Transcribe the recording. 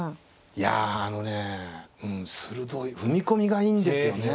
いやあのねえうん鋭い踏み込みがいいんですよね。